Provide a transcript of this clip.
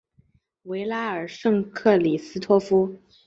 维拉尔圣克里斯托夫。